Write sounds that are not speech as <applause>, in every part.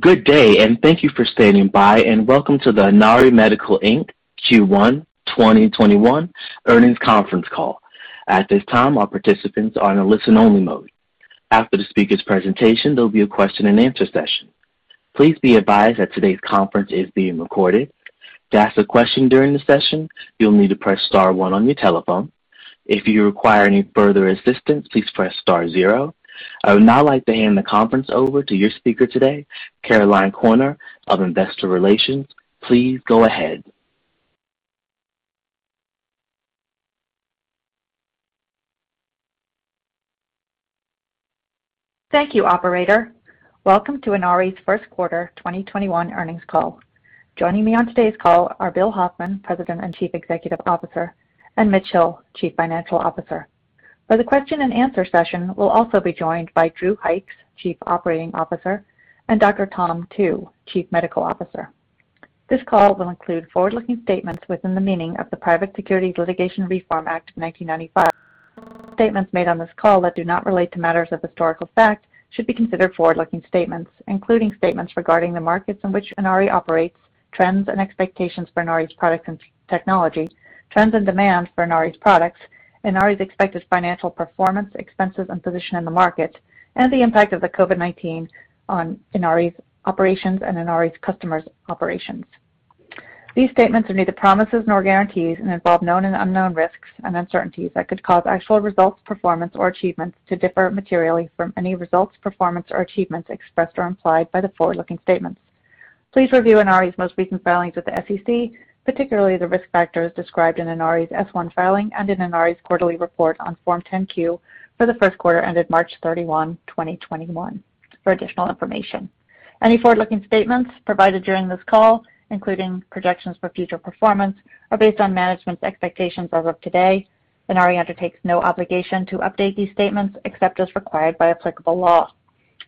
Good day. Thank you for standing by, and welcome to the Inari Medical Inc. Q1 2021 earnings conference call. At this time, all participants are in a listen-only mode. After the speaker's presentation, there'll be a question-and-answer session. Please be advised that today's conference is being recorded. To ask a question during the session, you'll need to press star one on your telephone. If you require any further assistance, please press star zero. I would now like to hand the conference over to your speaker today, Caroline Corner of Investor Relations. Please go ahead. Thank you, operator. Welcome to Inari's first quarter 2021 earnings call. Joining me on today's call are Bill Hoffman, President and Chief Executive Officer, and Mitch Hill, Chief Financial Officer. For the question-and-answer session, we will also be joined by Drew Hykes, Chief Operating Officer, and Dr. Tom Tu, Chief Medical Officer. This call will include forward-looking statements within the meaning of the Private Securities Litigation Reform Act of 1995. Statements made on this call that do not relate to matters of historical fact should be considered forward-looking statements, including statements regarding the markets in which Inari operates, trends and expectations for Inari's product and technology, trends and demands for Inari's products, Inari's expected financial performance, expenses, and position in the market, and the impact of COVID-19 on Inari's operations and Inari's customers' operations. These statements are neither promises nor guarantees and involve known and unknown risks and uncertainties that could cause actual results, performance, or achievements to differ materially from any results, performance, or achievements expressed or implied by the forward-looking statements. Please review Inari's most recent filings with the SEC, particularly the risk factors described in Inari's S1 filing and in Inari's quarterly report on Form 10Q for the first quarter ended March 31, 2021 for additional information. Any forward-looking statements provided during this call, including projections for future performance, are based on management's expectations as of today. Inari undertakes no obligation to update these statements except as required by applicable law.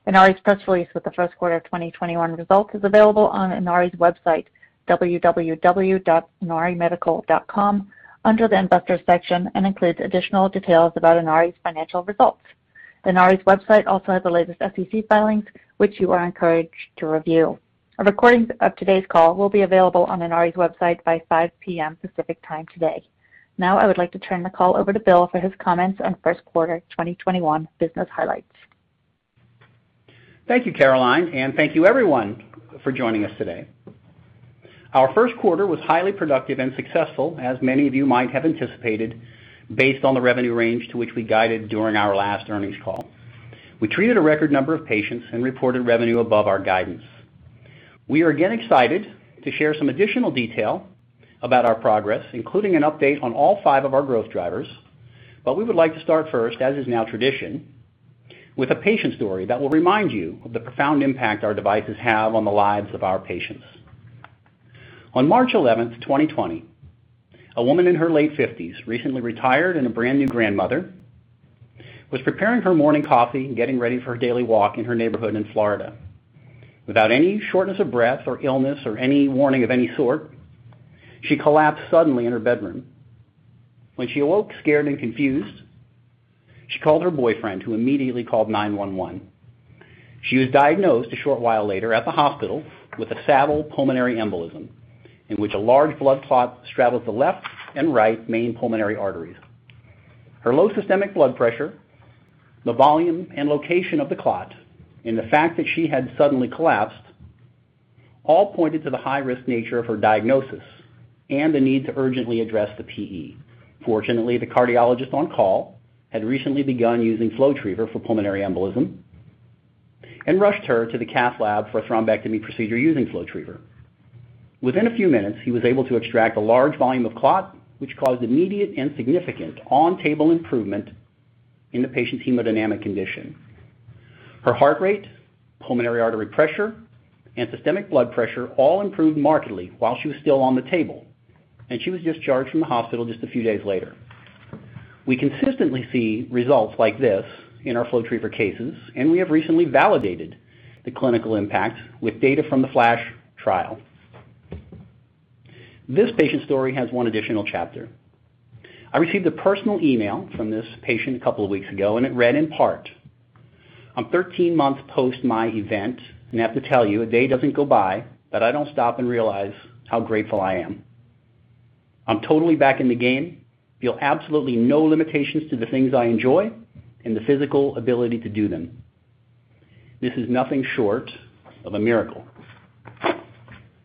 Inari's press release with the first quarter of 2021 results is available on Inari's website, www.inarimedical.com, under the investor section and includes additional details about Inari's financial results. Inari's website also has the latest SEC filings, which you are encouraged to review. A recording of today's call will be available on Inari's website by 5:00 P.M. Pacific Time today. Now, I would like to turn the call over to Bill for his comments on first quarter 2021 business highlights. Thank you, Caroline. Thank you everyone for joining us today. Our first quarter was highly productive and successful, as many of you might have anticipated based on the revenue range to which we guided during our last earnings call. We treated a record number of patients and reported revenue above our guidance. We are again excited to share some additional detail about our progress, including an update on all five of our growth drivers. We would like to start first, as is now tradition, with a patient story that will remind you of the profound impact our devices have on the lives of our patients. On March 11th, 2020, a woman in her late 50s, recently retired and a brand new grandmother, was preparing her morning coffee and getting ready for her daily walk in her neighborhood in Florida. Without any shortness of breath or illness or any warning of any sort, she collapsed suddenly in her bedroom. When she awoke scared and confused, she called her boyfriend, who immediately called 911. She was diagnosed a short while later at the hospital with a saddle pulmonary embolism, in which a large blood clot straddled the left and right main pulmonary arteries. Her low systemic blood pressure, the volume and location of the clot, and the fact that she had suddenly collapsed all pointed to the high-risk nature of her diagnosis and the need to urgently address the PE. Fortunately, the cardiologist on call had recently begun using FlowTriever for pulmonary embolism and rushed her to the cath lab for a thrombectomy procedure using FlowTriever. Within a few minutes, he was able to extract a large volume of clot, which caused immediate and significant on-table improvement in the patient's hemodynamic condition. Her heart rate, pulmonary artery pressure, and systemic blood pressure all improved markedly while she was still on the table, and she was discharged from the hospital just a few days later. We consistently see results like this in our FlowTriever cases, and we have recently validated the clinical impact with data from the FLASH trial. This patient's story has one additional chapter. I received a personal email from this patient a couple of weeks ago, and it read in part, "I'm 13 months post my event, and I have to tell you, a day doesn't go by that I don't stop and realize how grateful I am. I'm totally back in the game, feel absolutely no limitations to the things I enjoy and the physical ability to do them. This is nothing short of a miracle.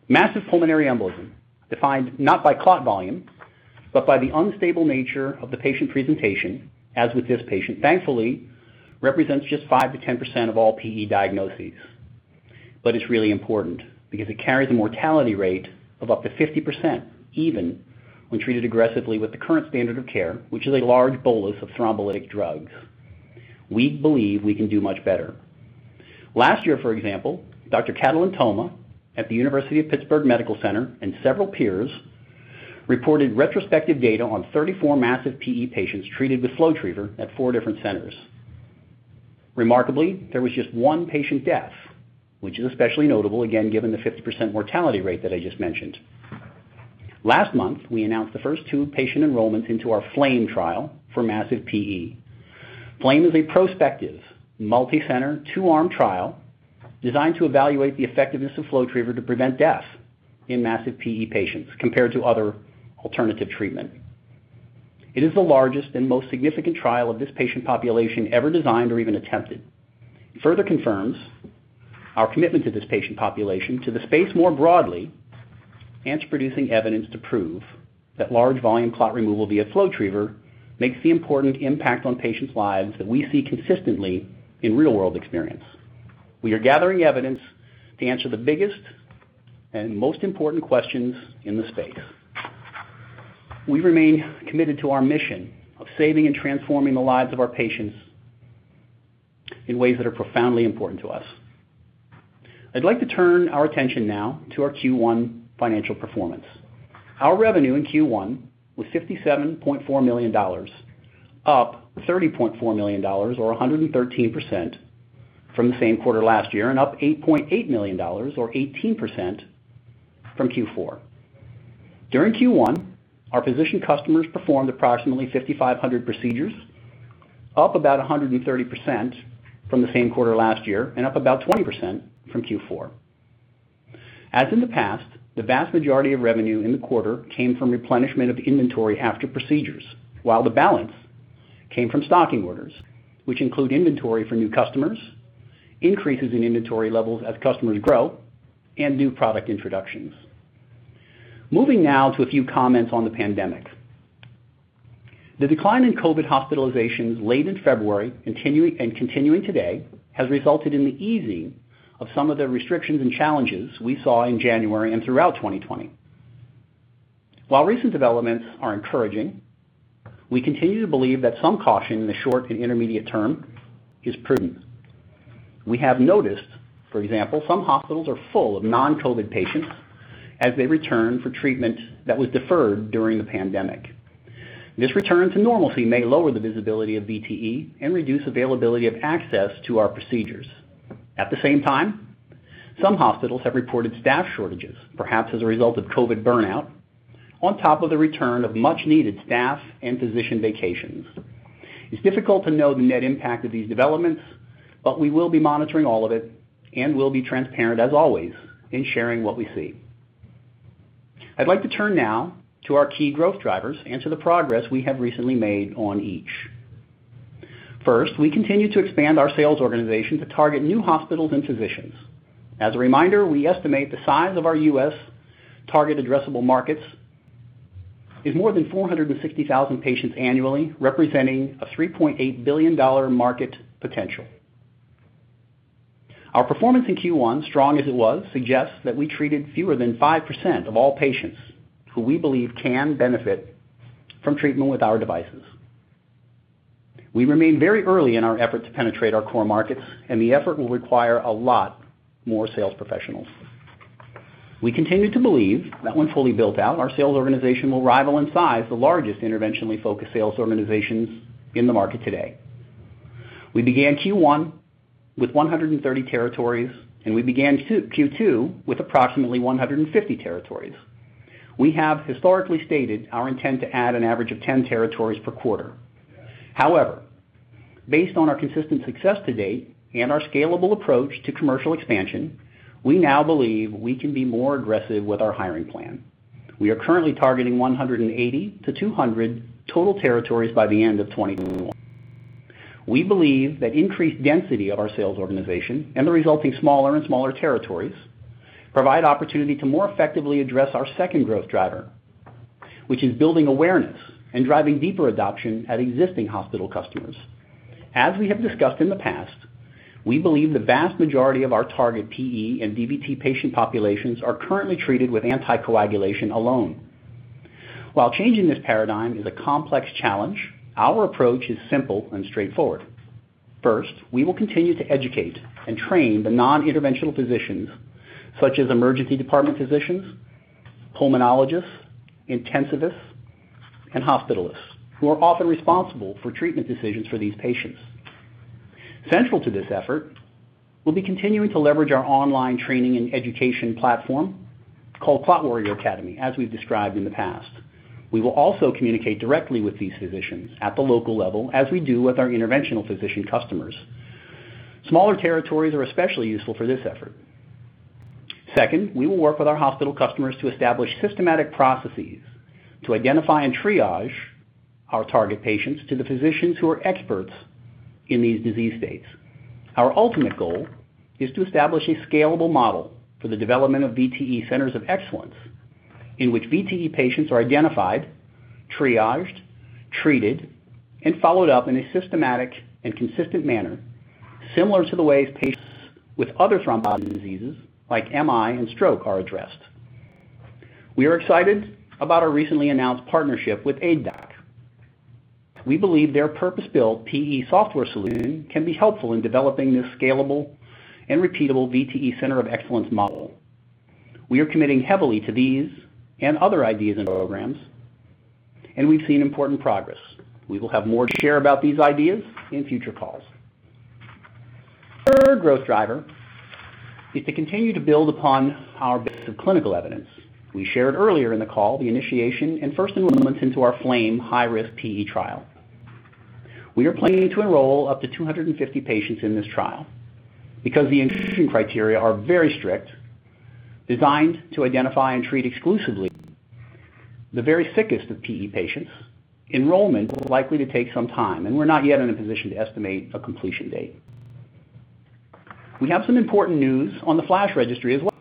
Massive pulmonary embolism, defined not by clot volume, but by the unstable nature of the patient presentation, as with this patient, thankfully, represents just 5%-10% of all PE diagnoses. It's really important because it carries a mortality rate of up to 50%, even when treated aggressively with the current standard of care, which is a large bolus of thrombolytic drugs. We believe we can do much better. Last year, for example, Dr. Catalin Toma at the University of Pittsburgh Medical Center and several peers reported retrospective data on 34 massive PE patients treated with FlowTriever at four different centers. Remarkably, there was just one patient death, which is especially notable, again, given the 50% mortality rate that I just mentioned. Last month, we announced the first two patient enrollments into our FLAME trial for massive PE. FLAME is a prospective, multi-center, two-arm trial designed to evaluate the effectiveness of FlowTriever to prevent deaths in massive PE patients compared to other alternative treatment. It is the largest and most significant trial of this patient population ever designed or even attempted. It further confirms our commitment to this patient population, to the space more broadly, and to producing evidence to prove that large volume clot removal via FlowTriever makes the important impact on patients' lives that we see consistently in real-world experience. We are gathering evidence to answer the biggest and most important questions in the space. We remain committed to our mission of saving and transforming the lives of our patients in ways that are profoundly important to us. I'd like to turn our attention now to our Q1 financial performance. Our revenue in Q1 was $57.4 million, up $30.4 million, or 113%, from the same quarter last year, and up $8.8 million, or 18%, from Q4. During Q1, our physician customers performed approximately 5,500 procedures, up about 130% from the same quarter last year and up about 20% from Q4. As in the past, the vast majority of revenue in the quarter came from replenishment of inventory after procedures, while the balance came from stocking orders, which include inventory for new customers, increases in inventory levels as customers grow, and new product introductions. Moving now to a few comments on the pandemic. The decline in COVID-19 hospitalizations late in February, continuing today, has resulted in the easing of some of the restrictions and challenges we saw in January and throughout 2020. While recent developments are encouraging, we continue to believe that some caution in the short and intermediate term is prudent. We have noticed, for example, some hospitals are full of non-COVID-19 patients as they return for treatment that was deferred during the pandemic. This return to normalcy may lower the visibility of VTE and reduce availability of access to our procedures. At the same time, some hospitals have reported staff shortages, perhaps as a result of COVID-19 burnout, on top of the return of much-needed staff and physician vacations. It's difficult to know the net impact of these developments, we will be monitoring all of it and will be transparent as always in sharing what we see. I'd like to turn now to our key growth drivers and to the progress we have recently made on each. First, we continue to expand our sales organization to target new hospitals and physicians. As a reminder, we estimate the size of our U.S. target addressable markets is more than 460,000 patients annually, representing a $3.8 billion market potential. Our performance in Q1, strong as it was, suggests that we treated fewer than 5% of all patients who we believe can benefit from treatment with our devices. We remain very early in our effort to penetrate our core markets. The effort will require a lot more sales professionals. We continue to believe that when fully built out, our sales organization will rival in size the largest interventionally focused sales organizations in the market today. We began Q1 with 130 territories, and we began Q2 with approximately 150 territories. We have historically stated our intent to add an average of 10 territories per quarter. However, based on our consistent success to date and our scalable approach to commercial expansion, we now believe we can be more aggressive with our hiring plan. We are currently targeting 180 to 200 total territories by the end of 2021. We believe that increased density of our sales organization and the resulting smaller and smaller territories provide opportunity to more effectively address our second growth driver, which is building awareness and driving deeper adoption at existing hospital customers. As we have discussed in the past, we believe the vast majority of our target PE and DVT patient populations are currently treated with anticoagulation alone. While changing this paradigm is a complex challenge, our approach is simple and straightforward. First, we will continue to educate and train the non-interventional physicians such as emergency department physicians, pulmonologists, intensivists, and hospitalists, who are often responsible for treatment decisions for these patients. Central to this effort, we'll be continuing to leverage our online training and education platform called Clot Warrior Academy, as we've described in the past. We will also communicate directly with these physicians at the local level as we do with our interventional physician customers. Smaller territories are especially useful for this effort. Second, we will work with our hospital customers to establish systematic processes to identify and triage our target patients to the physicians who are experts in these disease states. Our ultimate goal is to establish a scalable model for the development of VTE centers of excellence in which VTE patients are identified, triaged, treated, and followed up in a systematic and consistent manner, similar to the ways patients with other thrombotic diseases like MI and stroke are addressed. We are excited about our recently announced partnership with Aidoc. We believe their purpose-built PE software solution can be helpful in developing this scalable and repeatable VTE center of excellence model. We are committing heavily to these and other ideas and programs, and we've seen important progress. We will have more to share about these ideas in future calls. Third growth driver is to continue to build upon our base of clinical evidence. We shared earlier in the call the initiation and first enrollments into our FLAME high-risk PE trial. We are planning to enroll up to 250 patients in this trial. Because the inclusion criteria are very strict, designed to identify and treat exclusively the very sickest of PE patients, enrollment is likely to take some time, and we're not yet in a position to estimate a completion date. We have some important news on the FLASH registry as well.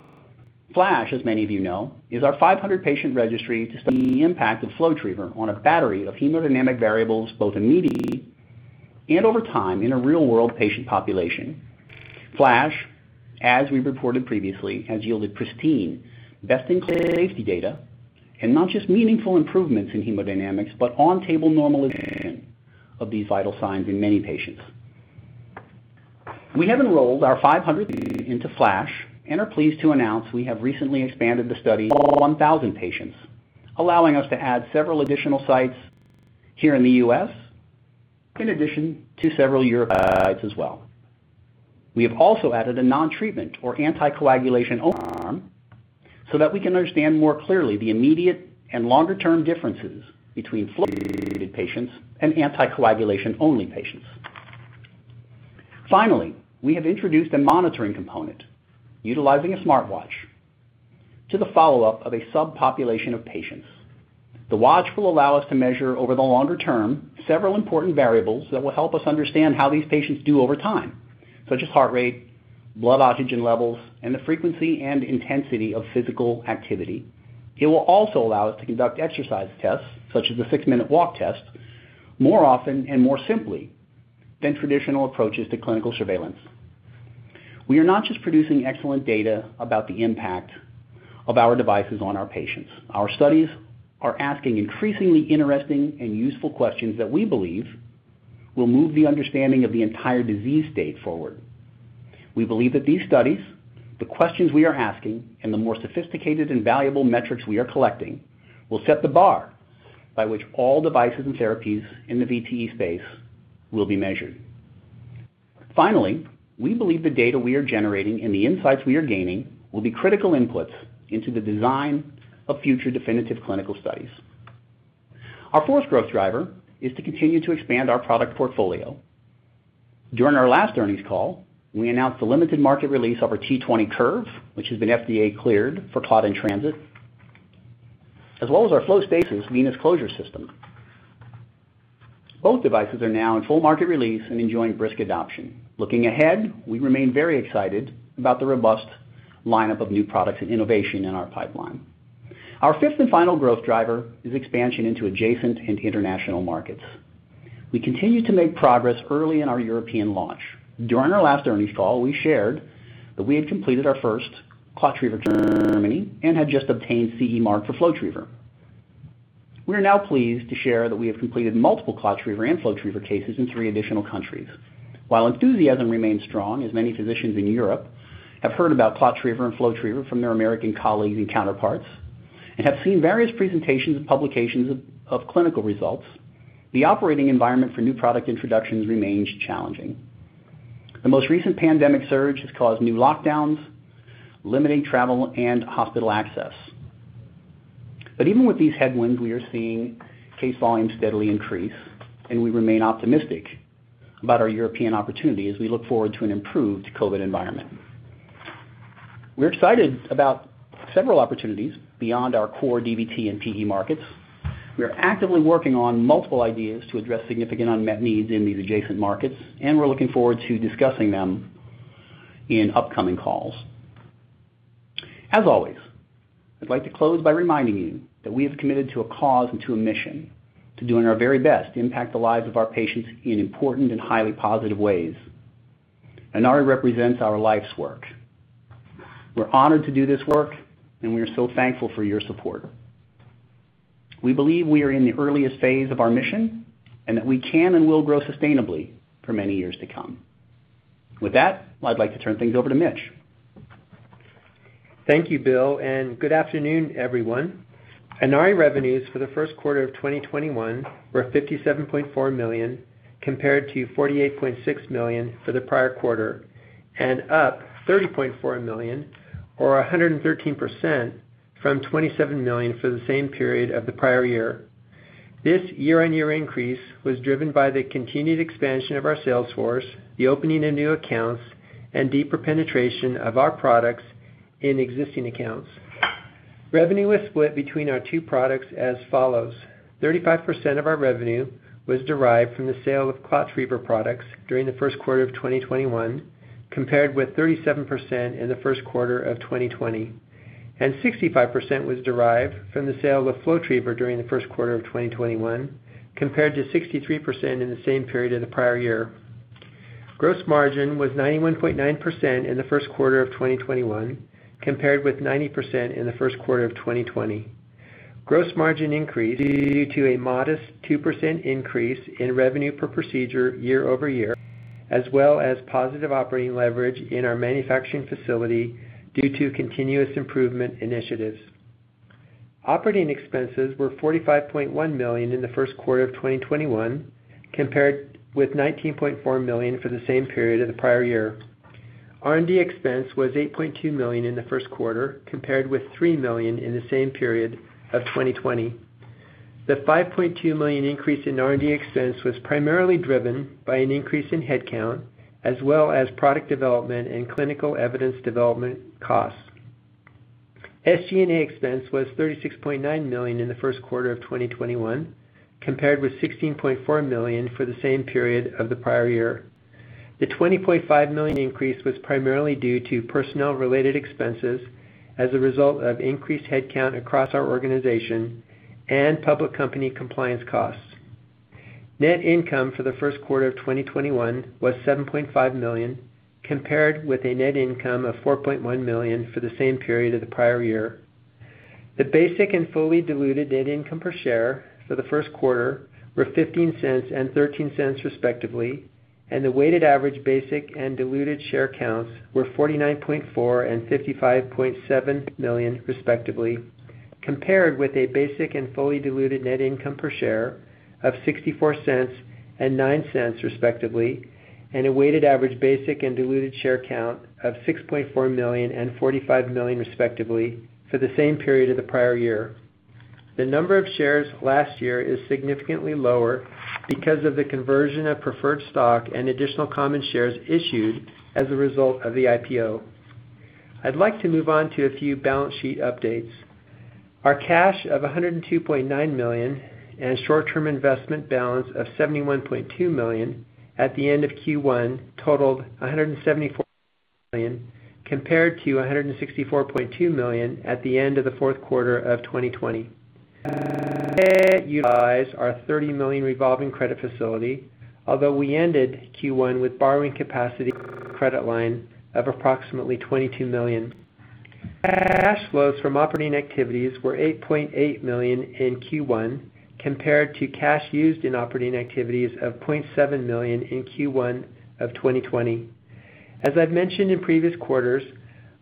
FLASH, as many of you know, is our 500-patient registry to study the impact of FlowTriever on a battery of hemodynamic variables, both immediately and over time, in a real-world patient population. FLASH, as we reported previously, has yielded pristine best-in-class safety data and not just meaningful improvements in hemodynamics, but on-table normalization of these vital signs in many patients. We have enrolled our 500 patients into FLASH and are pleased to announce we have recently expanded the study to 1,000 patients, allowing us to add several additional sites here in the U.S., in addition to several <audio distortion> as well. We have also added a non-treatment or anticoagulation-only arm so that we can understand more clearly the immediate and longer-term differences between FlowTriever treated patients and anticoagulation-only patients. Finally, we have introduced a monitoring component utilizing a smartwatch to the follow-up of a subpopulation of patients. The watch will allow us to measure, over the longer term, several important variables that will help us understand how these patients do over time, such as heart rate, blood oxygen levels, and the frequency and intensity of physical activity. It will also allow us to conduct exercise tests, such as the six-minute walk test, more often and more simply than traditional approaches to clinical surveillance. We are not just producing excellent data about the impact of our devices on our patients. Our studies are asking increasingly interesting and useful questions that we believe will move the understanding of the entire disease state forward. We believe that these studies, the questions we are asking, and the more sophisticated and valuable metrics we are collecting, will set the bar by which all devices and therapies in the VTE space will be measured. Finally, we believe the data we are generating and the insights we are gaining will be critical inputs into the design of future definitive clinical studies. Our fourth growth driver is to continue to expand our product portfolio. During our last earnings call, we announced the limited market release of our T20 Curve, which has been FDA cleared for clot in transit, as well as our FlowStasis venous closure system. Both devices are now in full market release and enjoying brisk adoption. Looking ahead, we remain very excited about the robust lineup of new products and innovation in our pipeline. Our fifth and final growth driver is expansion into adjacent and international markets. We continue to make progress early in our European launch. During our last earnings call, we shared that we had completed our first ClotTriever Germany and had just obtained CE mark for FlowTriever. We are now pleased to share that we have completed multiple ClotTriever and FlowTriever cases in three additional countries. While enthusiasm remains strong, as many physicians in Europe have heard about ClotTriever and FlowTriever from their American colleagues and counterparts and have seen various presentations and publications of clinical results, the operating environment for new product introductions remains challenging. The most recent pandemic surge has caused new lockdowns, limiting travel and hospital access. Even with these headwinds, we are seeing case volumes steadily increase, and we remain optimistic about our European opportunities as we look forward to an improved COVID environment. We're excited about several opportunities beyond our core DVT and PE markets. We are actively working on multiple ideas to address significant unmet needs in these adjacent markets, and we're looking forward to discussing them in upcoming calls. As always, I'd like to close by reminding you that we have committed to a cause and to a mission to doing our very best to impact the lives of our patients in important and highly positive ways. Inari represents our life's work. We're honored to do this work, and we are so thankful for your support. We believe we are in the earliest phase of our mission and that we can and will grow sustainably for many years to come. With that, I'd like to turn things over to Mitch. Thank you, Bill, good afternoon, everyone. Inari revenues for the first quarter of 2021 were $57.4 million, compared to $48.6 million for the prior quarter, up $30.4 million, or 113%, from $27 million for the same period of the prior year. This year-over-year increase was driven by the continued expansion of our sales force, the opening of new accounts, and deeper penetration of our products in existing accounts. Revenue was split between our two products as follows: 35% of our revenue was derived from the sale of ClotTriever products during the first quarter of 2021, compared with 37% in the first quarter of 2020, 65% was derived from the sale of FlowTriever during the first quarter of 2021, compared to 63% in the same period of the prior year. Gross margin was 91.9% in the first quarter of 2021, compared with 90% in the first quarter of 2020. Gross margin increased due to a modest 2% increase in revenue per procedure year-over-year, as well as positive operating leverage in our manufacturing facility due to continuous improvement initiatives. Operating expenses were $45.1 million in the first quarter of 2021, compared with $19.4 million for the same period of the prior year. R&D expense was $8.2 million in the first quarter, compared with $3 million in the same period of 2020. The $5.2 million increase in R&D expense was primarily driven by an increase in head count, as well as product development and clinical evidence development costs. SG&A expense was $36.9 million in the first quarter of 2021, compared with $16.4 million for the same period of the prior year. The $20.5 million increase was primarily due to personnel-related expenses as a result of increased head count across our organization and public company compliance costs. Net income for the first quarter of 2021 was $7.5 million, compared with a net income of $4.1 million for the same period of the prior year. The basic and fully diluted net income per share for the first quarter were $0.15 and $0.13 respectively, and the weighted average basic and diluted share counts were 49.4 and 55.7 million respectively, compared with a basic and fully diluted net income per share of $0.64 and $0.09 respectively, and a weighted average basic and diluted share count of 6.4 million and 45 million respectively for the same period of the prior year. The number of shares last year is significantly lower because of the conversion of preferred stock and additional common shares issued as a result of the IPO. I'd like to move on to a few balance sheet updates. Our cash of $102.9 million and short-term investment balance of $71.2 million at the end of Q1 totaled $174 million, compared to $164.2 million at the end of the fourth quarter of 2020. We did not utilize our $30 million revolving credit facility, although we ended Q1 with borrowing capacity on the credit line of approximately $22 million. Cashflows from operating activities were $8.8 million in Q1 compared to cash used in operating activities of $0.7 million in Q1 of 2020. As I've mentioned in previous quarters,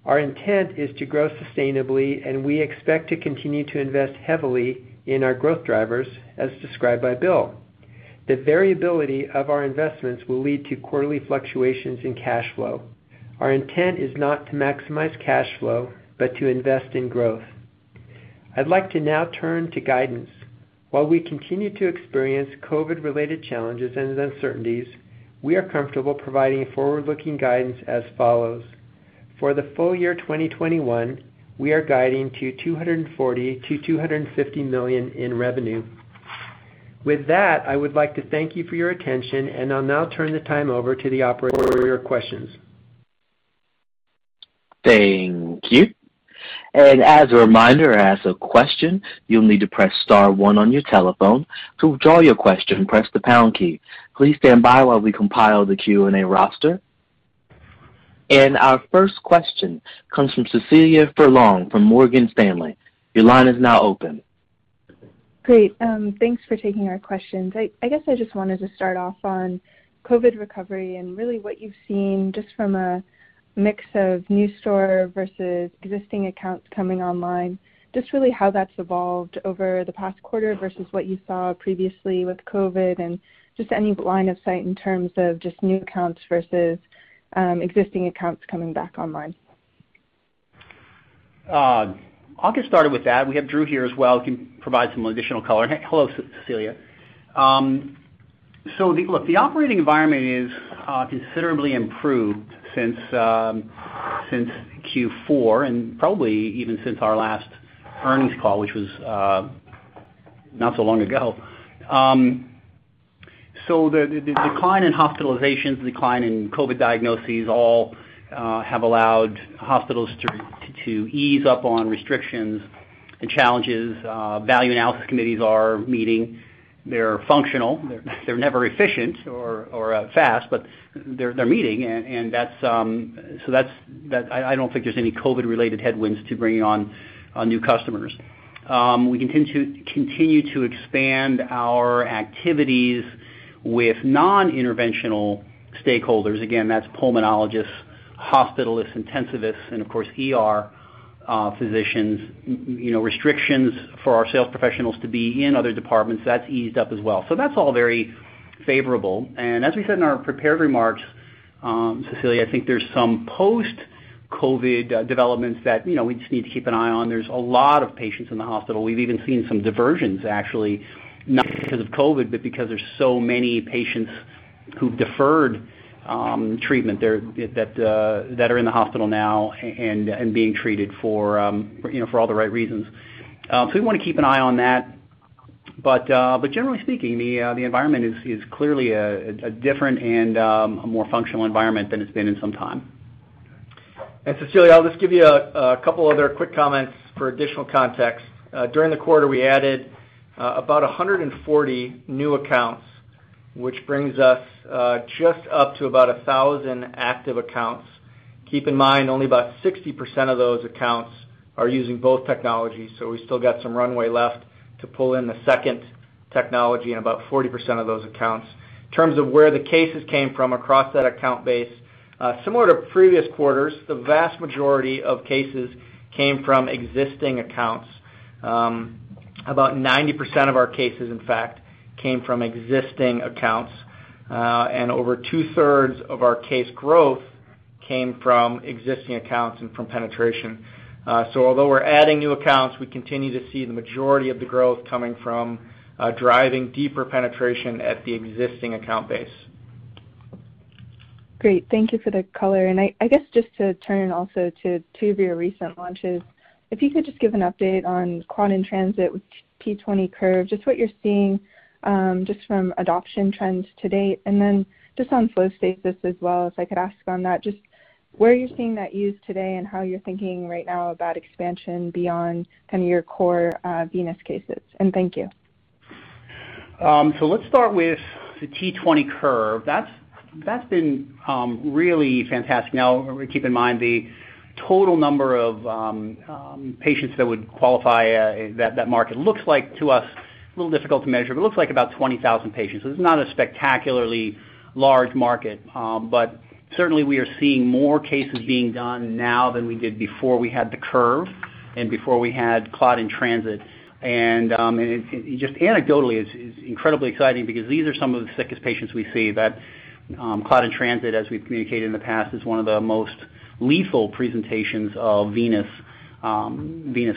our intent is to grow sustainably, and we expect to continue to invest heavily in our growth drivers, as described by Bill. The variability of our investments will lead to quarterly fluctuations in cash flow. Our intent is not to maximize cash flow, but to invest in growth. I'd like to now turn to guidance. While we continue to experience COVID-related challenges and uncertainties, we are comfortable providing forward-looking guidance as follows. For the full-year 2021, we are guiding to $240 million-$250 million in revenue. With that, I would like to thank you for your attention, and I'll now turn the time over to the operator for your questions. Our first question comes from Cecilia Furlong from Morgan Stanley. Your line is now open. Great. Thanks for taking our questions. I guess I just wanted to start off on COVID recovery and really what you've seen just from a mix of new store versus existing accounts coming online. Just really how that's evolved over the past quarter versus what you saw previously with COVID. Just any line of sight in terms of just new accounts versus existing accounts coming back online. I'll get started with that. We have Drew here as well. He can provide some additional color. Hello, Cecilia. Look, the operating environment is considerably improved since Q4, and probably even since our last earnings call, which was not so long ago. The decline in hospitalizations, decline in COVID diagnoses all have allowed hospitals to ease up on restrictions and challenges. Value analysis committees are meeting. They're functional. They're never efficient or fast, but they're meeting. I don't think there's any COVID-related headwinds to bringing on new customers. We continue to expand our activities with non-interventional stakeholders. Again, that's pulmonologists, hospitalists, intensivists, and of course, ER physicians. Restrictions for our sales professionals to be in other departments, that's eased up as well. That's all very favorable. As we said in our prepared remarks, Cecilia, I think there's some post-COVID developments that we just need to keep an eye on. There's a lot of patients in the hospital. We've even seen some diversions, actually, not because of COVID, but because there's so many patients who've deferred treatment that are in the hospital now and being treated for all the right reasons. We want to keep an eye on that. Generally speaking, the environment is clearly different and a more functional environment than it's been in some time. Cecilia, I'll just give you a couple other quick comments for additional context. During the quarter, we added about 140 new accounts, which brings us just up to about 1,000 active accounts. Keep in mind, only about 60% of those accounts are using both technologies, so we still got some runway left to pull in the second technology in about 40% of those accounts. In terms of where the cases came from across that account base, similar to previous quarters, the vast majority of cases came from existing accounts. About 90% of our cases, in fact, came from existing accounts. Over two-thirds of our case growth came from existing accounts and from penetration. Although we're adding new accounts, we continue to see the majority of the growth coming from driving deeper penetration at the existing account base. Great. Thank you for the color. I guess just to turn also to two of your recent launches, if you could just give an update on clot in transit with Triever20 Curve, just what you're seeing, just from adoption trends to date, and then just on FlowStasis as well, if I could ask on that, just where are you seeing that used today and how you're thinking right now about expansion beyond your core venous cases. Thank you. Let's start with the T20 Curve. That's been really fantastic. Now, keep in mind the total number of patients that would qualify that market. It looks like to us, a little difficult to measure, but it looks like about 20,000 patients. It's not a spectacularly large market. Certainly, we are seeing more cases being done now than we did before we had the Curve and before we had clot in transit. Just anecdotally, it's incredibly exciting because these are some of the sickest patients we see. That clot in transit, as we've communicated in the past, is one of the most lethal presentations of venous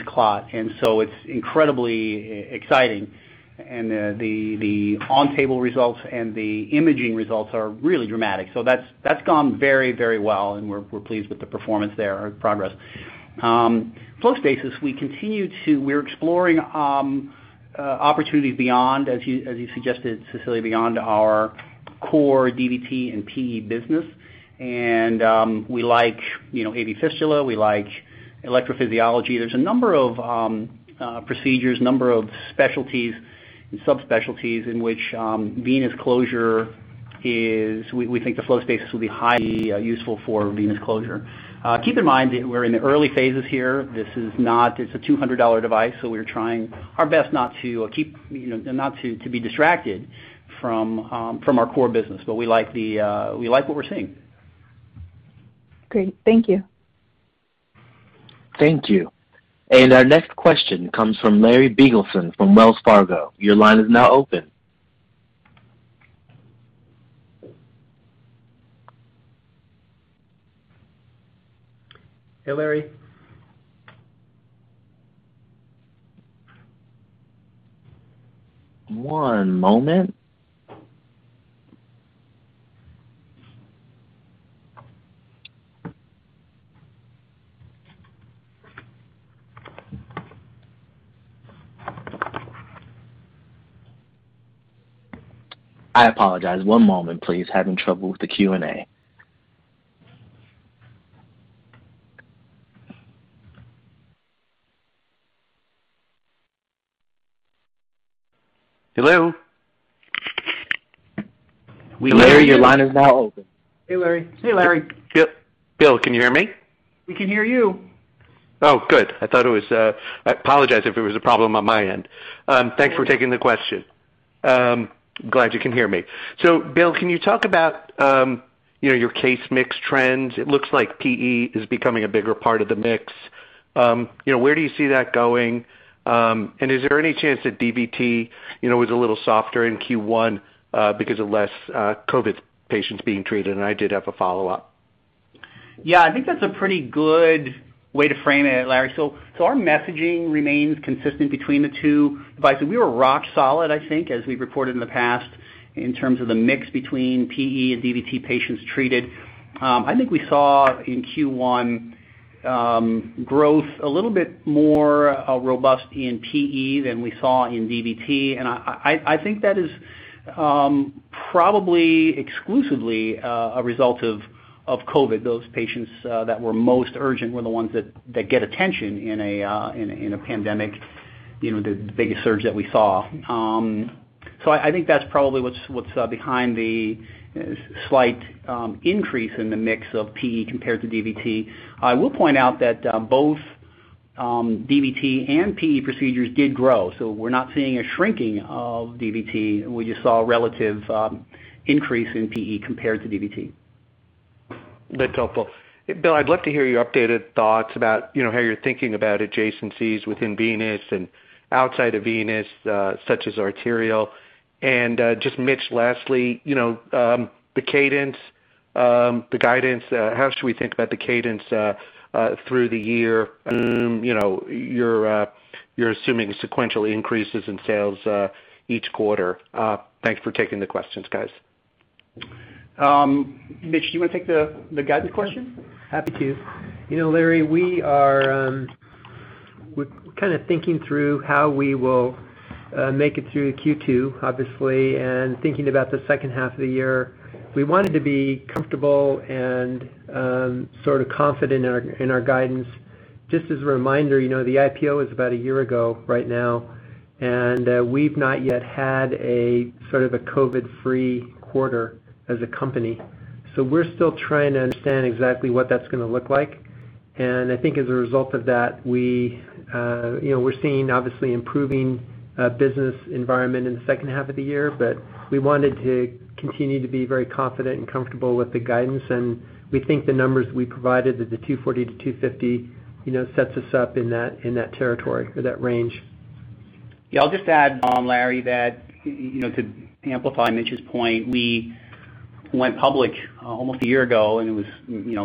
clot. It's incredibly exciting. The on-table results and the imaging results are really dramatic. That's gone very well, and we're pleased with the performance there or progress. FlowStasis, we're exploring opportunities beyond, as you suggested, Cecilia, beyond our core DVT and PE business. We like AV fistula, we like electrophysiology. There's a number of procedures, number of specialties and subspecialties in which venous closure is. We think the FlowStasis will be highly useful for venous closure. Keep in mind that we're in the early phases here. This is a $200 device, so we're trying our best not to be distracted from our core business. We like what we're seeing. Great. Thank you. Thank you. Our next question comes from Larry Biegelsen from Wells Fargo. Your line is now open. Hey, Larry. One moment. I apologize. One moment, please. Having trouble with the Q&A. Hello? Larry, your line is now open. Hey, Larry. Hey, Larry. Bill, can you hear me? We can hear you. Oh, good. I apologize if it was a problem on my end. Thanks for taking the question. Glad you can hear me. Bill, can you talk about your case mix trends? It looks like PE is becoming a bigger part of the mix. Where do you see that going? Is there any chance that DVT was a little softer in Q1 because of less COVID patients being treated? I did have a follow-up. Yeah, I think that's a pretty good way to frame it, Larry. Our messaging remains consistent between the two devices. We were rock solid, I think, as we've reported in the past, in terms of the mix between PE and DVT patients treated. I think we saw in Q1 growth a little bit more robust in PE than we saw in DVT. I think that is probably exclusively a result of COVID. Those patients that were most urgent were the ones that get attention in a pandemic, the biggest surge that we saw. I think that's probably what's behind the slight increase in the mix of PE compared to DVT. I will point out that both DVT and PE procedures did grow. We're not seeing a shrinking of DVT. We just saw a relative increase in PE compared to DVT. That's helpful. Bill, I'd love to hear your updated thoughts about how you're thinking about adjacencies within venous and outside of venous, such as arterial. Just Mitch, lastly, the cadence, the guidance, how should we think about the cadence through the year? You're assuming sequential increases in sales each quarter. Thanks for taking the questions, guys. Mitch, do you want to take the guidance question? Happy to. Larry, we're kind of thinking through how we will make it through Q2, obviously, and thinking about the second half of the year. We wanted to be comfortable and sort of confident in our guidance. Just as a reminder, the IPO was about one year ago right now, and we've not yet had a sort of a COVID-free quarter as a company. We're still trying to understand exactly what that's going to look like. I think as a result of that, we're seeing obviously improving business environment in the second half of the year. We wanted to continue to be very confident and comfortable with the guidance, and we think the numbers we provided, the $240-$250, sets us up in that territory or that range. I'll just add, Larry, that to amplify Mitch's point, we went public almost a year ago. It was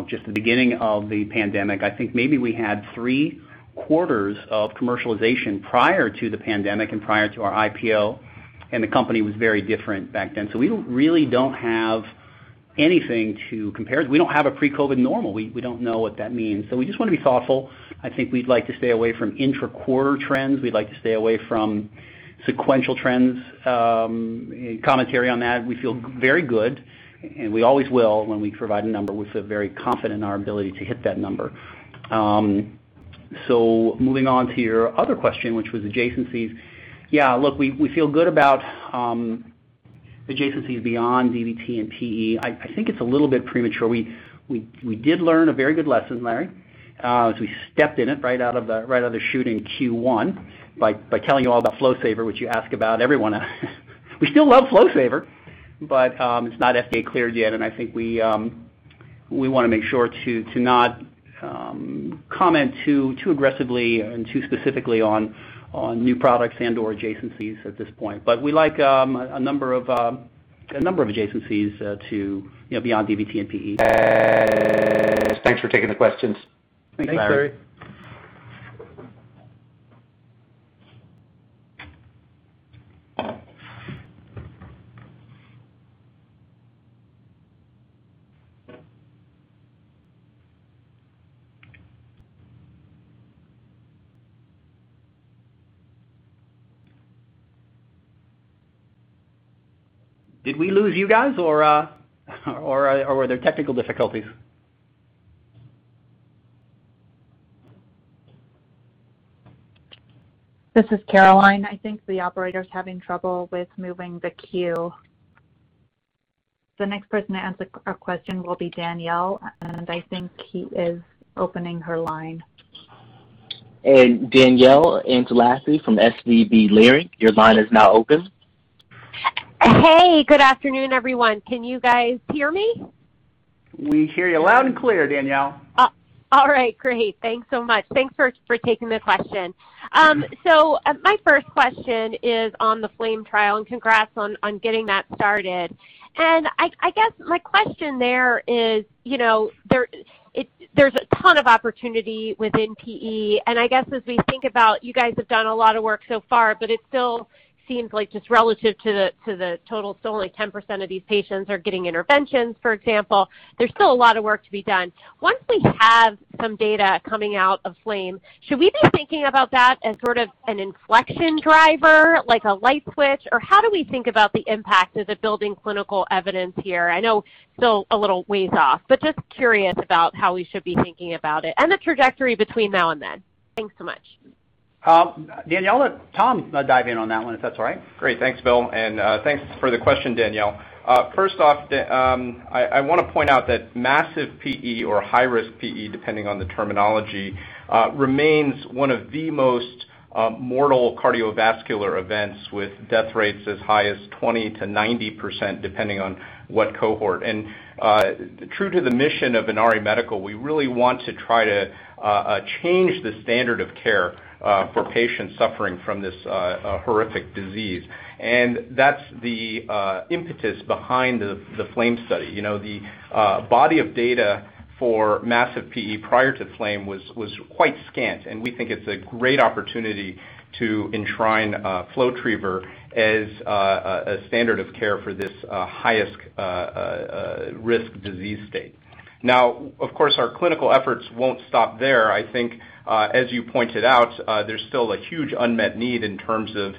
just the beginning of the pandemic. I think maybe we had three quarters of commercialization prior to the pandemic and prior to our IPO. The company was very different back then. We really don't have anything to compare. We don't have a pre-COVID normal. We don't know what that means. We just want to be thoughtful. I think we'd like to stay away from intra-quarter trends. We'd like to stay away from sequential trends, commentary on that. We feel very good, and we always will when we provide a number. We feel very confident in our ability to hit that number. Moving on to your other question, which was adjacencies. Look, we feel good about adjacencies beyond DVT and PE. I think it's a little bit premature. We did learn a very good lesson, Larry, as we stepped in it right out of the chute in Q1 by telling you all about FlowSaver, which you ask about every one. We still love FlowSaver, but it's not FDA cleared yet. I think we want to make sure to not comment too aggressively and too specifically on new products and/or adjacencies at this point. We like a number of adjacencies beyond DVT and PE. Thanks for taking the questions. Thanks, Larry. Thanks, Larry. Did we lose you guys, or were there technical difficulties? This is Caroline. I think the operator's having trouble with moving the queue. The next person to ask a question will be Danielle. I think he is opening her line. Danielle Antalffy from SVB Leerink, your line is now open. Hey, good afternoon, everyone. Can you guys hear me? We hear you loud and clear, Danielle. All right, great. Thanks so much. Thanks for taking the question. My first question is on the FLAME trial, and congrats on getting that started. I guess my question there is, there's a ton of opportunity within PE, and I guess as we think about, you guys have done a lot of work so far, but it still seems like just relative to the total, it's only 10% of these patients are getting interventions, for example. There's still a lot of work to be done. Once we have some data coming out of FLAME, should we be thinking about that as sort of an inflection driver, like a light switch? How do we think about the impact of the building clinical evidence here? I know still a little ways off, but just curious about how we should be thinking about it and the trajectory between now and then. Thanks so much. Danielle, let Tom dive in on that one, if that's all right. Great. Thanks, Bill. Thanks for the question, Danielle. First off, I want to point out that massive PE or high-risk PE, depending on the terminology, remains one of the most mortal cardiovascular events with death rates as high as 20%-90%, depending on what cohort. True to the mission of Inari Medical, we really want to try to change the standard of care for patients suffering from this horrific disease. That's the impetus behind the FLAME study. The body of data for massive PE prior to FLAME was quite scant, and we think it's a great opportunity to enshrine FlowTriever as a standard of care for this high-risk disease state. Now, of course, our clinical efforts won't stop there. I think, as you pointed out, there's still a huge unmet need in terms of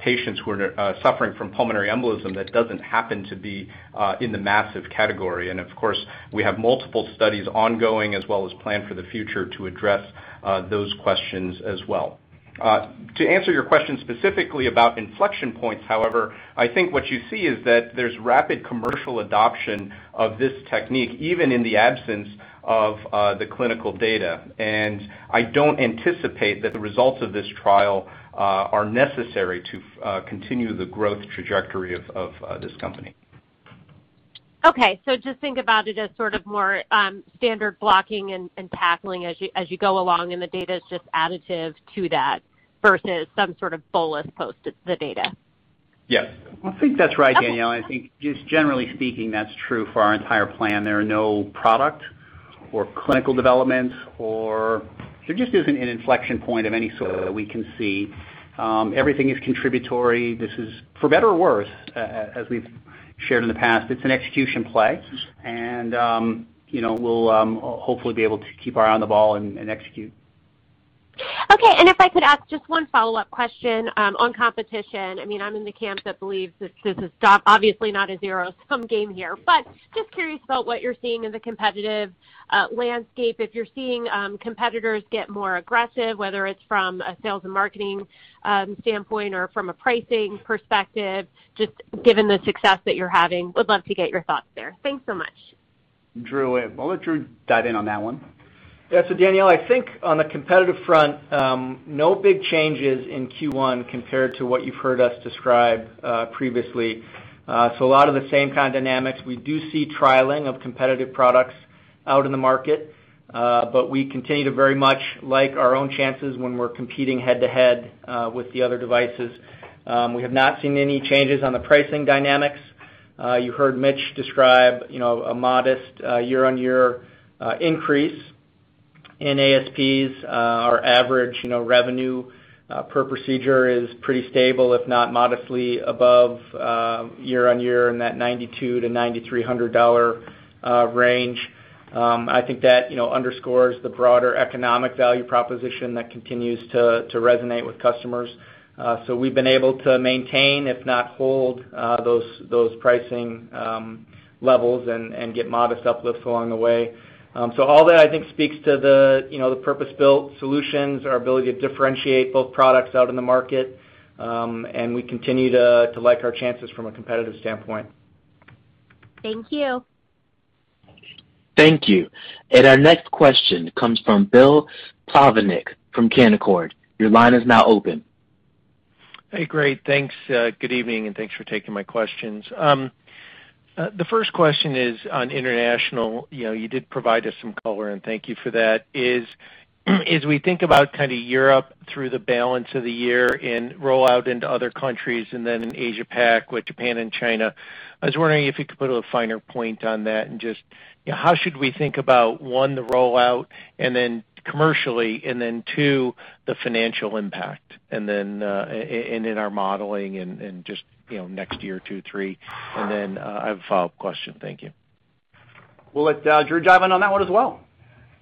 patients who are suffering from pulmonary embolism that doesn't happen to be in the massive category. Of course, we have multiple studies ongoing as well as planned for the future to address those questions as well. To answer your question specifically about inflection points, however, I think what you see is that there's rapid commercial adoption of this technique, even in the absence of the clinical data. I don't anticipate that the results of this trial are necessary to continue the growth trajectory of this company. Okay, just think about it as sort of more standard blocking and tackling as you go along, and the data is just additive to that versus some sort of bolus post the data. Yes. I think that's right, Danielle. I think just generally speaking, that's true for our entire plan. There are no product or clinical developments or there just isn't an inflection point of any sort that we can see. Everything is contributory. This is for better or worse, as we've shared in the past. It's an execution play and we'll hopefully be able to keep our eye on the ball and execute. Okay. If I could ask just one follow-up question on competition. I'm in the camp that believes this is obviously not a zero-sum game here. Just curious about what you're seeing in the competitive landscape, if you're seeing competitors get more aggressive, whether it's from a sales and marketing standpoint or from a pricing perspective, just given the success that you're having. Would love to get your thoughts there. Thanks so much. Drew it. I'll let Drew dive in on that one. Yeah. Danielle, I think on the competitive front, no big changes in Q1 compared to what you've heard us describe previously. A lot of the same kind of dynamics. We do see trialing of competitive products out in the market, we continue to very much like our own chances when we're competing head-to-head with the other devices. We have not seen any changes on the pricing dynamics. You heard Mitch describe a modest year-on-year increase in ASPs. Our average revenue per procedure is pretty stable, if not modestly above year-on-year in that $9,200-$9,300 range. I think that underscores the broader economic value proposition that continues to resonate with customers. We've been able to maintain, if not hold, those pricing levels and get modest uplifts along the way. All that, I think, speaks to the purpose-built solutions, our ability to differentiate both products out in the market. We continue to like our chances from a competitive standpoint. Thank you. Thank you. Our next question comes from Bill Plovanic from Canaccord. Your line is now open. Hey, great. Thanks. Good evening. Thanks for taking my questions. The first question is on international. You did provide us some color, and thank you for that, is we think about kind of Europe through the balance of the year and rollout into other countries and then in Asia Pac with Japan and China. I was wondering if you could put a finer point on that and just how should we think about, one, the rollout and then commercially, and then two, the financial impact and in our modeling and just next year, two, three. I have a follow-up question. Thank you. We'll let Drew dive in on that one as well.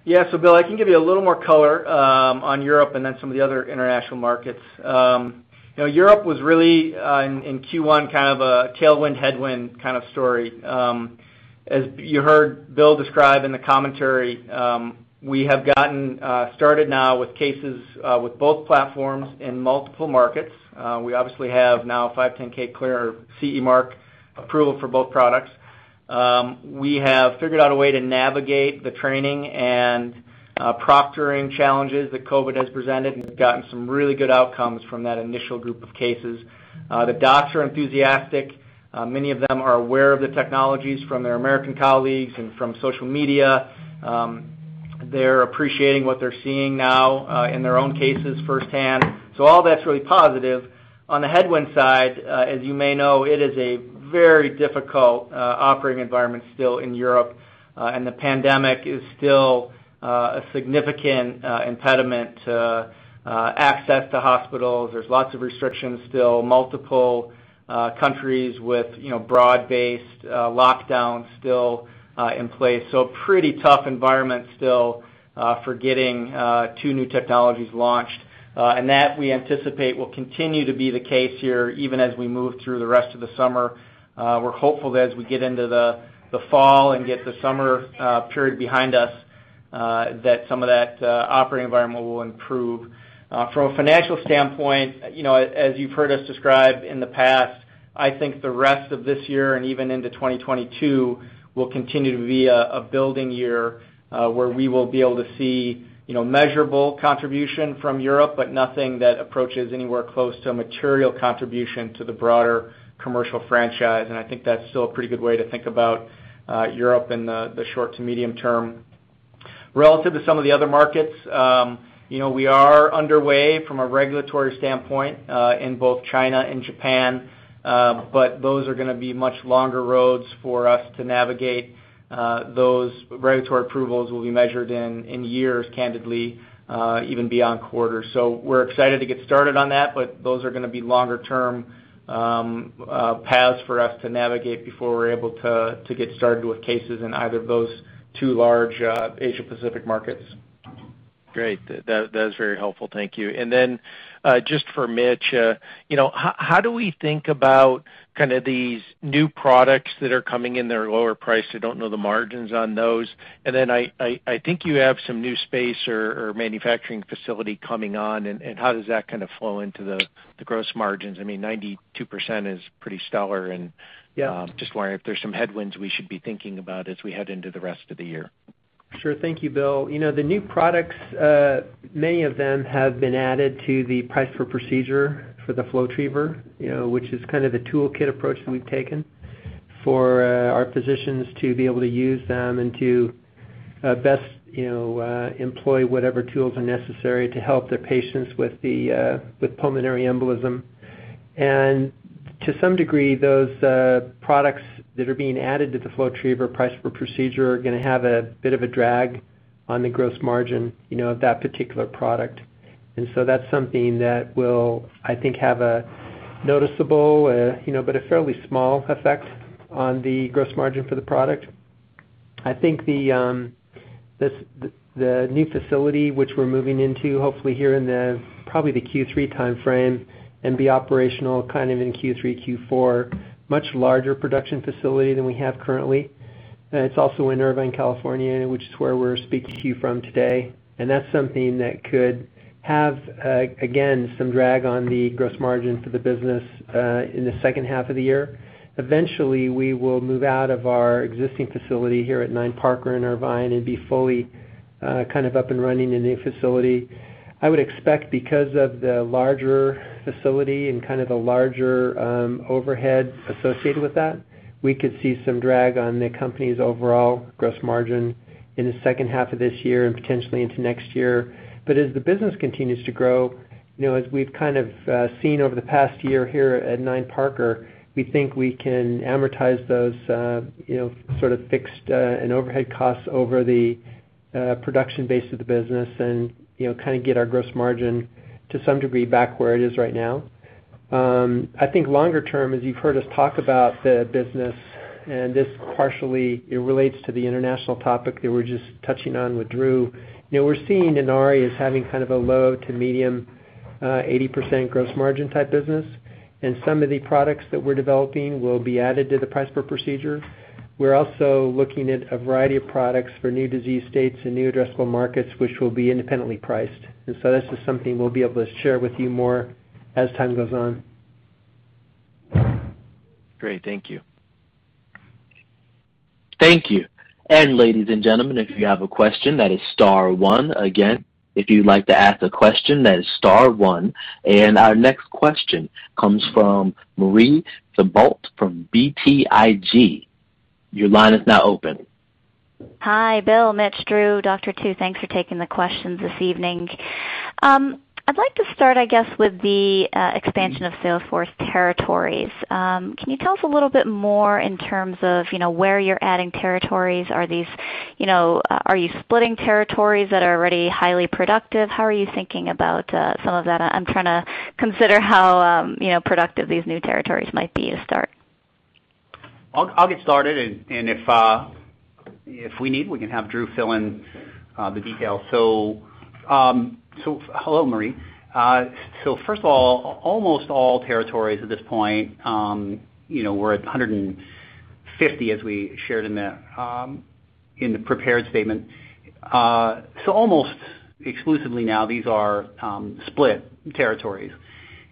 Yeah. Bill, I can give you a little more color on Europe and then some of the other international markets. Europe was really, in Q1, kind of a tailwind, headwind kind of story. As you heard Bill describe in the commentary, we have gotten started now with cases with both platforms in multiple markets. We obviously have now 510(k) clear CE mark approval for both products. We have figured out a way to navigate the training and proctoring challenges that COVID has presented and have gotten some really good outcomes from that initial group of cases. The docs are enthusiastic. Many of them are aware of the technologies from their American colleagues and from social media. They're appreciating what they're seeing now in their own cases firsthand. All that's really positive. On the headwind side, as you may know, it is a very difficult operating environment still in Europe, and the pandemic is still a significant impediment to access to hospitals. There's lots of restrictions still, multiple countries with broad-based lockdowns still in place. Pretty tough environment still for getting two new technologies launched. That we anticipate will continue to be the case here, even as we move through the rest of the summer. We're hopeful that as we get into the fall and get the summer period behind us, that some of that operating environment will improve. From a financial standpoint, as you've heard us describe in the past, I think the rest of this year and even into 2022 will continue to be a building year where we will be able to see measurable contribution from Europe, but nothing that approaches anywhere close to a material contribution to the broader commercial franchise. I think that's still a pretty good way to think about Europe in the short to medium-term. Relative to some of the other markets, we are underway from a regulatory standpoint in both China and Japan, but those are going to be much longer roads for us to navigate. Those regulatory approvals will be measured in years, candidly, even beyond quarters. We're excited to get started on that, but those are going to be longer-term paths for us to navigate before we're able to get started with cases in either of those two large Asia Pacific markets. Great. That is very helpful. Thank you. Just for Mitch, how do we think about these new products that are coming in that are lower priced? I don't know the margins on those. I think you have some new space or manufacturing facility coming on and how does that kind of flow into the gross margins? I mean, 92% is pretty stellar. Yeah. Just wondering if there's some headwinds we should be thinking about as we head into the rest of the year? Sure. Thank you, Bill. The new products, many of them have been added to the price per procedure for the FlowTriever, which is kind of the toolkit approach that we've taken for our physicians to be able to use them and to best employ whatever tools are necessary to help their patients with pulmonary embolism. To some degree, those products that are being added to the FlowTriever price per procedure are going to have a bit of a drag on the gross margin of that particular product. That's something that will, I think, have a noticeable but a fairly small effect on the gross margin for the product. I think the new facility, which we're moving into hopefully here in the probably the Q3 timeframe and be operational kind of in Q3, Q4, much larger production facility than we have currently. It's also in Irvine, California, which is where we're speaking to you from today. That's something that could have, again, some drag on the gross margin for the business in the second half of the year. Eventually, we will move out of our existing facility here at 9 Parker in Irvine and be fully up and running in the new facility. I would expect because of the larger facility and the larger overhead associated with that, we could see some drag on the company's overall gross margin in the second half of this year and potentially into next year. As the business continues to grow, as we've seen over the past year here at 9 Parker, we think we can amortize those fixed and overhead costs over the production base of the business and get our gross margin to some degree back where it is right now. I think longer term, as you've heard us talk about the business and this partially relates to the international topic that we're just touching on with Drew. We're seeing Inari as having a low to medium, 80% gross margin type business, and some of the products that we're developing will be added to the price per procedure. We're also looking at a variety of products for new disease states and new addressable markets, which will be independently priced. This is something we'll be able to share with you more as time goes on. Great. Thank you. Thank you. ladies and gentlemen, if you have a question, that is star one. Again, if you'd like to ask a question, that is star one. Our next question comes from Marie Thibault from BTIG. Your line is now open. Hi, Bill, Mitch, Drew, Dr. Tu. Thanks for taking the questions this evening. I'd like to start, I guess, with the expansion of sales force territories. Can you tell us a little bit more in terms of where you're adding territories? Are you splitting territories that are already highly productive? How are you thinking about some of that? I'm trying to consider how productive these new territories might be to start. I'll get started, and if we need, we can have Drew fill in the details. Hello, Marie. First of all, almost all territories at this point, we're at 150 as we shared in the prepared statement. Almost exclusively now, these are split territories.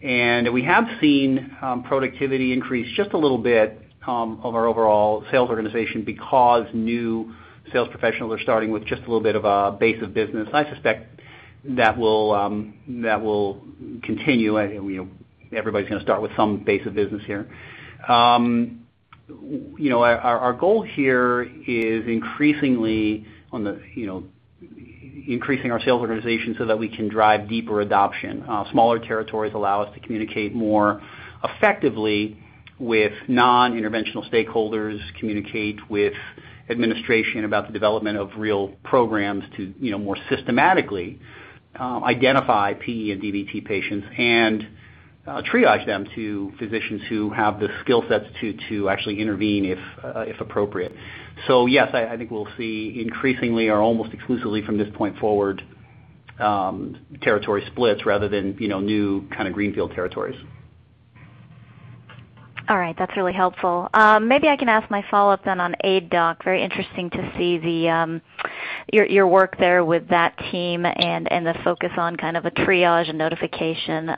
We have seen productivity increase just a little bit of our overall sales organization because new sales professionals are starting with just a little bit of a base of business. I suspect that will continue. Everybody's going to start with some base of business here. Our goal here is increasing our sales organization so that we can drive deeper adoption. Smaller territories allow us to communicate more effectively with non-interventional stakeholders, communicate with administration about the development of real programs to more systematically identify PE and DVT patients and triage them to physicians who have the skill sets to actually intervene if appropriate. Yes, I think we'll see increasingly or almost exclusively from this point forward, territory splits rather than new kind of greenfield territories. All right. That's really helpful. Maybe I can ask my follow-up on Aidoc. Very interesting to see your work there with that team and the focus on a triage and notification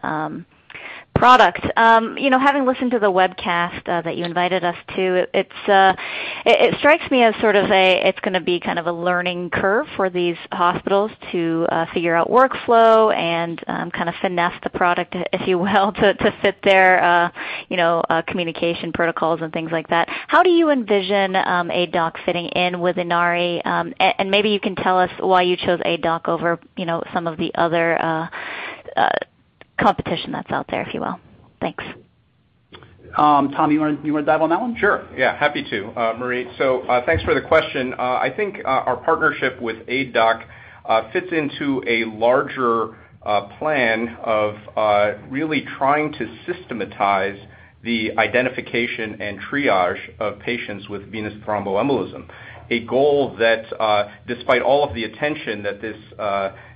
product. Having listened to the webcast that you invited us to, it strikes me as sort of it's going to be a learning curve for these hospitals to figure out workflow and finesse the product, if you will, to fit their communication protocols and things like that. How do you envision Aidoc fitting in with Inari? Maybe you can tell us why you chose Aidoc over some of the other competition that's out there, if you will. Thanks. Tom, you want to dive on that one? Sure. Yeah. Happy to. Marie, thanks for the question. I think our partnership with Aidoc fits into a larger plan of really trying to systematize the identification and triage of patients with venous thromboembolism. A goal that despite all of the attention that this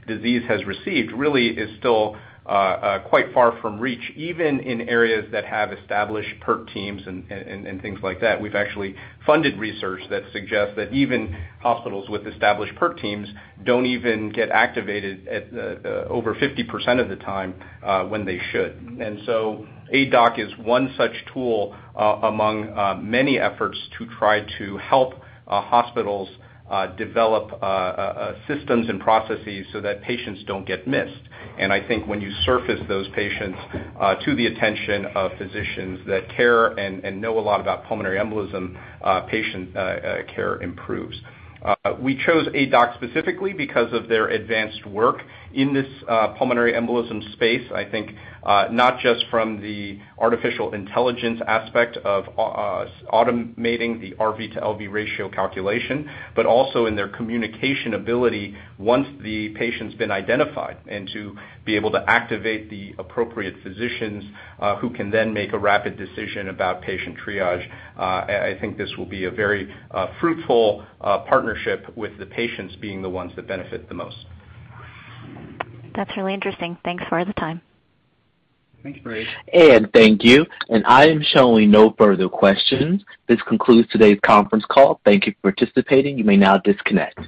disease has received, really is still quite far from reach, even in areas that have established PERT teams and things like that. We've actually funded research that suggests that even hospitals with established PERT teams don't even get activated over 50% of the time when they should. Aidoc is one such tool among many efforts to try to help hospitals develop systems and processes so that patients don't get missed. I think when you surface those patients to the attention of physicians that care and know a lot about pulmonary embolism, patient care improves. We chose Aidoc specifically because of their advanced work in this pulmonary embolism space. I think not just from the artificial intelligence aspect of automating the RV to LV ratio calculation, but also in their communication ability once the patient's been identified and to be able to activate the appropriate physicians who can then make a rapid decision about patient triage. I think this will be a very fruitful partnership with the patients being the ones that benefit the most. That's really interesting. Thanks for the time. Thanks, Marie. Thank you. I am showing no further questions. This concludes today's conference call. Thank you for participating. You may now disconnect.